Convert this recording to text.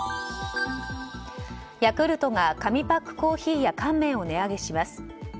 ヤクルトが紙パックコーヒーや乾麺を値上げします。